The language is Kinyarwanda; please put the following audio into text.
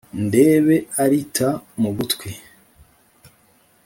» ndebe arita mu gutwi